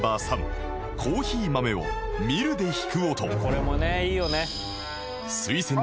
これもねいいよね。